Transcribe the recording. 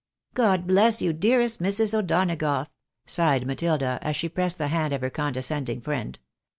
" God bless you, dearest Mrs. O'Donagough !" sighed MatUda, as she pressed the hand of her condescending friend.